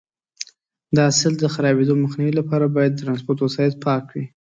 د حاصل د خرابېدو مخنیوي لپاره باید د ټرانسپورټ وسایط پاک وي.